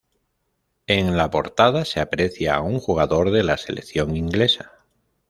En la portada se aprecia a un jugador de la selección inglesa.